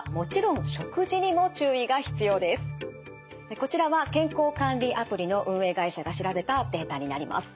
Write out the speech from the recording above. こちらは健康管理アプリの運営会社が調べたデータになります。